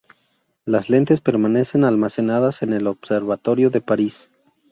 Las lentes permanecen almacenadas en el Observatorio de París.